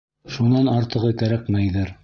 Шунан артығы кәрәкмәйҙер...